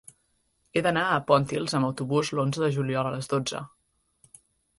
He d'anar a Pontils amb autobús l'onze de juliol a les dotze.